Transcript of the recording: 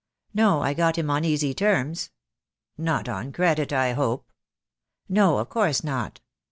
"No; I got him on easy terms." "Not on credit, I hope." "No; of course not.